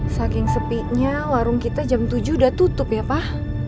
saking sepinya warung kita jam tujuh udah tutup ya pak